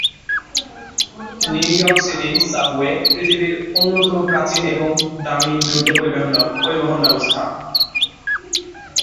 New York City subway পৃথিবীড় অন্যতম প্রাচীন এবং দামী দ্রুত পরিবহন ব্যবস্থা।